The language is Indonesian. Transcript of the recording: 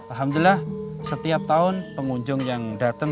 alhamdulillah setiap tahun pengunjung yang datang